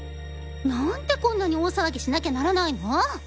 なんでこんなに大騒ぎしなきゃならないの！